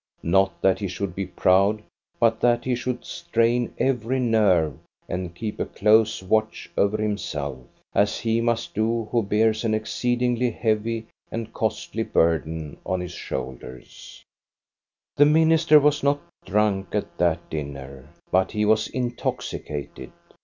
Not that he should be proud, but that he should strain every nerve and keep a close watch over him self, as he must do who bears an exceedingly heavy and costly burden on his shoulders. 8 INTRODUCTION The minister was not drunk at that dinner, but he was intoxicated.